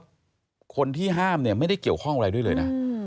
คนที่ห้ามเนี่ยไม่ได้เกี่ยวข้องอะไรด้วยเลยนะ